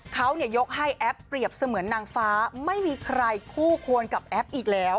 เขายกให้แอปเปรียบเสมือนนางฟ้าไม่มีใครคู่ควรกับแอปอีกแล้ว